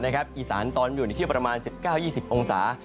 อีสานตอนบนอยู่ที่ประมาณ๑๙๒๐องศา